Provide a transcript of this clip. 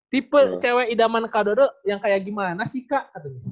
tipe cewek idaman kak dodo yang kayak gimana sih kak